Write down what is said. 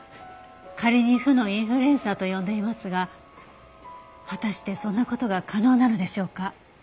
仮に「負のインフルエンサー」と呼んでいますが果たしてそんな事が可能なのでしょうか？